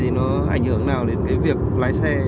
nó ảnh hưởng nào đến cái việc lái xe